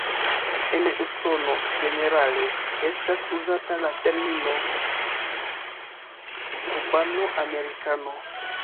En Usono, ĝenerale estas uzata la termino "Cubano-Americano.